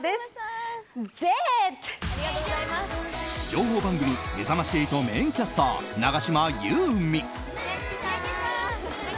情報番組「めざまし８」メインキャスター永島優美。